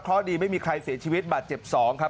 เพราะดีไม่มีใครเสียชีวิตบาดเจ็บ๒ครับ